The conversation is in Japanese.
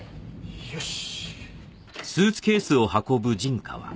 よし。